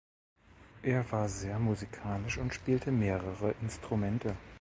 Er war sehr musikalisch und spielte mehrere Instrumente.